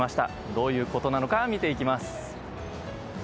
どういうことなのか見ていきます。